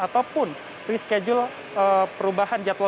ataupun reschedule perubahan jadwal